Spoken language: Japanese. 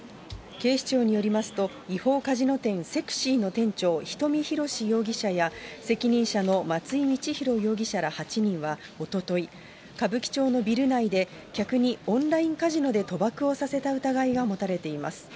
警視庁によりますと、違法カジノ店、セクシーの店長、人見浩司容疑者や、責任者の松井みちひろ容疑者ら８人はおととい、歌舞伎町のビル内で、客にオンラインカジノで賭博をさせた疑いが持たれています。